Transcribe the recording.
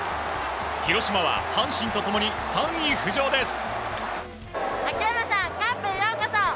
広島は阪神と共に３位浮上です。